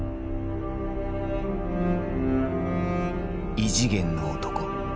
異次元の男。